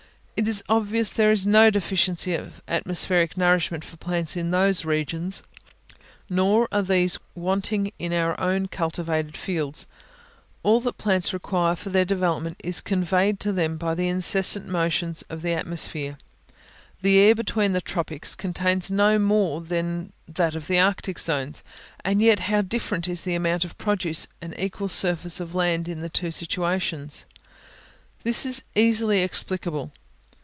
It is obvious there is no deficiency of atmospheric nourishment for plants in those regions, nor are these wanting in our own cultivated fields: all that plants require for their development is conveyed to them by the incessant motions of the atmosphere. The air between the tropics contains no more than that of the arctic zones; and yet how different is the amount of produce of an equal surface of land in the two situations! This is easily explicable.